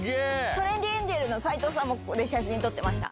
トレンディエンジェルの斎藤さんもここで写真撮ってました。